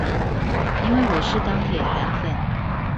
因為我是鋼鐵韓粉